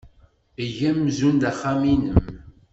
Eg amzun d axxam-nnem.